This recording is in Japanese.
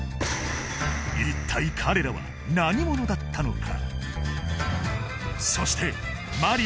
一体彼らは何者だったのか？